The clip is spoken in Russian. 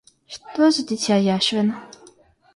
Что за дитя Яшвин?